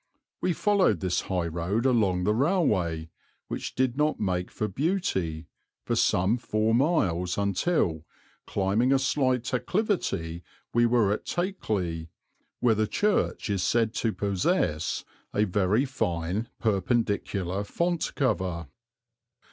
We followed this high road along the railway, which did not make for beauty, for some four miles until, climbing a slight acclivity, we were at Takeley, where the church is said to possess a very fine Perpendicular font cover.